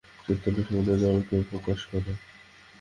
চৈতন্যই সমুদয় জড়কে প্রকাশ করে।